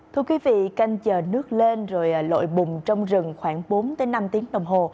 thưa quý vị canh chờ nước lên rồi lội bùng trong rừng khoảng bốn năm tiếng đồng hồ